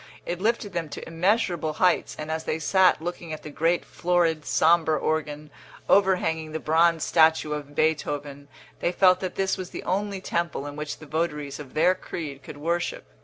It lifted them to immeasurable heights; and as they sat looking at the great florid, sombre organ, overhanging the bronze statue of Beethoven, they felt that this was the only temple in which the votaries of their creed could worship.